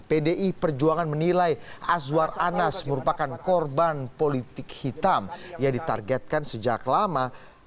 pdi perjuangan menilai azwar anas merupakan korban politik hitam yang ditargetkan sejak lama